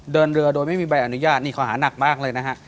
เดินเรือโดยไม่มีใบอนุญาตนี่ข้อหานักมากเลยนะฮะ